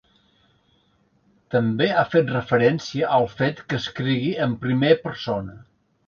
També ha fet referència al fet que escrigui en primer persona.